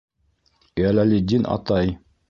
Йәләлетдин атай